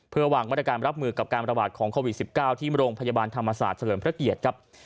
เพื่อวางมาตรการรับมือกับการระบาดของโควิด๑๙ที่โรงพยาบาลธรรมศาสตร์เฉลิมพระเกียรติครับ